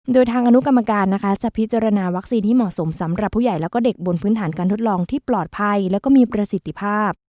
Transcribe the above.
โดยทางอนุกรรมการนะคะจะพิจารณาวัคซีนให้เหมาะสมสำหรับผู้ใหญ่แล้วก็เด็กบนพื้นฐานการทดลองที่ปลอดภัยแล้วก็มีประสิทธิภาพ